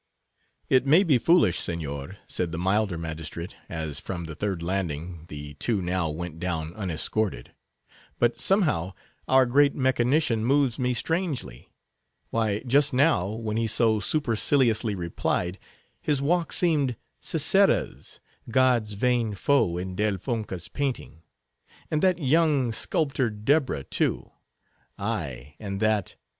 "It may be foolish, Signor," said the milder magistrate, as, from the third landing, the two now went down unescorted, "but, somehow, our great mechanician moves me strangely. Why, just now, when he so superciliously replied, his walk seemed Sisera's, God's vain foe, in Del Fonca's painting. And that young, sculptured Deborah, too. Ay, and that—."